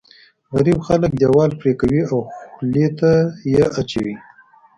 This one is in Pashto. غريب خلک دیوال پرې کوي او خولې ته یې اچوي.